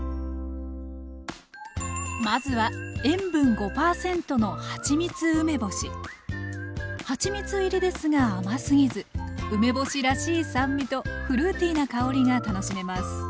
まずははちみつ入りですが甘すぎず梅干しらしい酸味とフルーティーな香りが楽しめます